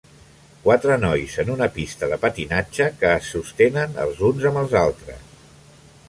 Quatre nois en una pista de patinatge que es sostenen els uns amb els altres.